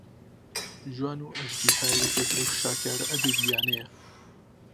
جوان و ئەژدیها یەکێک لەو شاکارە ئەدەبیانەیە